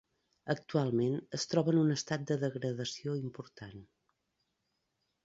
Actualment es troba en un estat de degradació important.